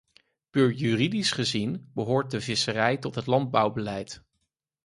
Puur juridisch gezien behoort de visserij tot het landbouwbeleid.